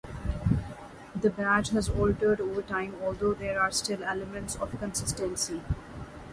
The badge has altered over time although there are still elements of consistency.